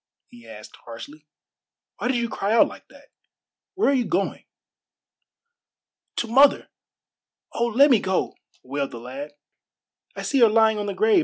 he asked harshly. "Why did you cry out like that? Where are you going?" "To mother. Oh, let me go!" wailed the lad. "I see her lying on the grave.